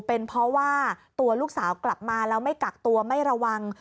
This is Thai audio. เป็นเพราะว่าตัวลูกสาวกลับมาแล้วไม่กักตัวไม่ระวัง